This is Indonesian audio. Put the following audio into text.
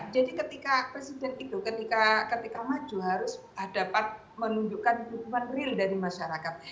jadi ketika presiden itu ketika maju harus dapat menunjukkan hukuman real dari masyarakat